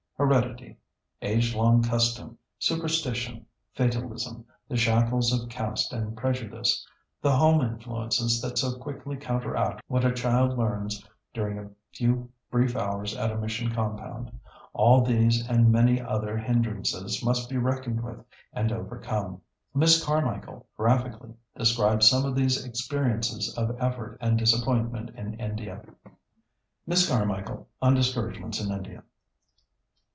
Heredity, age long custom, superstition, fatalism, the shackles of caste and prejudice, the home influences that so quickly counteract what a child learns during a few brief hours at a mission compound, all these and many other hindrances must be reckoned with and overcome. Miss Carmichael graphically describes some of these experiences of effort and disappointment in India. [Sidenote: Miss Carmichael on discouragements in India.